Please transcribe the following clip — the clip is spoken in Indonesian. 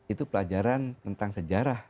itu pelajaran tentang sejarah